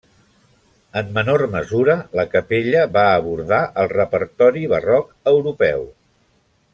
En menor mesura, la capella va abordar el repertori barroc europeu.